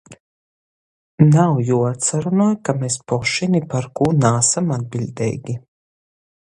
Nav juoatsarunoj, ka mes poši ni par kū naasam atbiļdeigi.